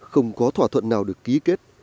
không có thỏa thuận nào được ký kết